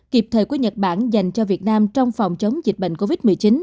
kịp thời của nhật bản dành cho việt nam trong phòng chống dịch bệnh covid một mươi chín